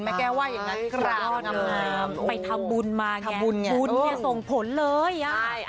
ไปทำบุญมาส่งผลเลย